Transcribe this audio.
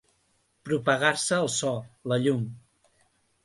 Propagar-se el so, la llum.